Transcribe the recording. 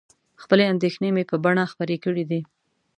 خپلې اندېښنې مې په بڼه خپرې کړي دي.